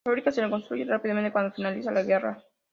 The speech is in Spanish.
La fábrica se reconstruye rápidamente cuando finalizada la guerra.